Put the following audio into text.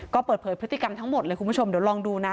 ก็เปิดเผยพฤติกรรมทั้งหมดเลยคุณผู้ชมเดี๋ยวลองดูนะ